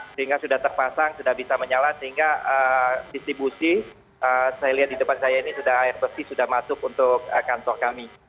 sehingga sudah terpasang sudah bisa menyala sehingga distribusi saya lihat di depan saya ini sudah air besi sudah masuk untuk kantor kami